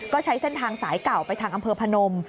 ก็ใช้เส้นทางสายเก่าไปทางอำเภอพนม